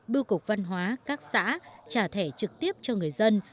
bưu cục văn hóa các xã trả thẻ trực tiếp cho người dân